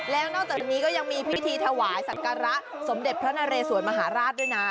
แล้วนอกจากนี้ก็ยังมีพิธีถวายสักการะสมเด็จพระนเรสวนมหาราชด้วยนะ